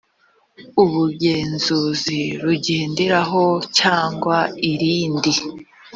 ubugenzuzi rugenderaho cyangwa irindi